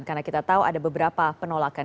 karena kita tahu ada beberapa penolakan